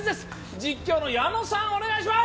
実況の矢野さん、お願いします。